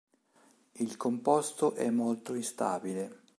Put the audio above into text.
Il composto è molto instabile.